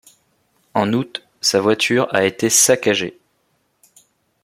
En août, sa voiture a été saccagée.